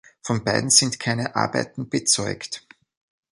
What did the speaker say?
Von beiden sind keine Arbeiten bezeugt.